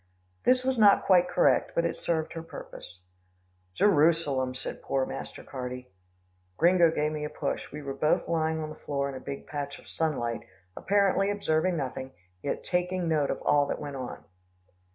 This was not quite correct, but it served her purpose. "Jerusalem!" said poor Master Carty. Gringo gave me a push. We were both lying on the floor in a big patch of sunlight, apparently observing nothing, yet taking note of all that went on.